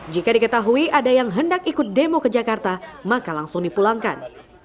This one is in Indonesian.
jika diketahui ada yang hendak ikut demo ke jakarta maka langsung dipulangkan